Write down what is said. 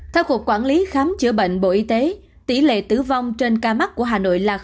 theo cục quản lý khám chữa bệnh bộ y tế tỷ lệ tử vong trên ca mắc của hà nội là